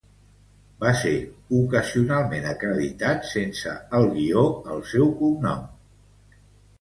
Va ser ocasionalment acreditat sense el guió al seu cognom.